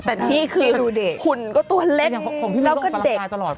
แต่นี่คือหุ่นก็ตัวเล็กแล้วก็เด็ก